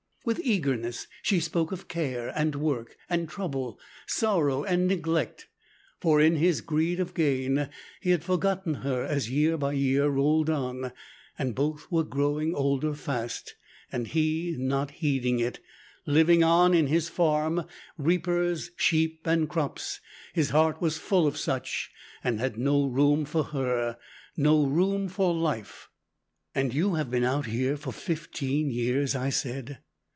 With eagerness she spoke of care, and work and trouble, sorrow and neglect; for, in his greed of gain, he had forgotten her as year by year rolled on, and both were growing older fast, and he not heeding it, living on in his farm, reapers, sheep and crops; his heart was full of such, and had no room for her, no room for life. "And you have been out here for fifteen years?" I said.